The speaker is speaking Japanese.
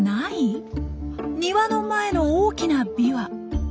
庭の前の大きなビワ。